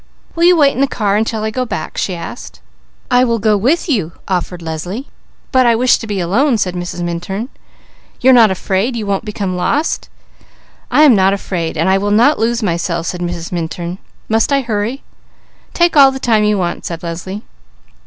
"Will you wait in the car until I go back?" she asked. "But I wish to be alone," said Mrs. Minturn. "You're not afraid? You won't become lost?" "I am not afraid, and I will not lose myself," said Mrs. Minturn. "Must I hurry?" "Take all the time you want," said Leslie.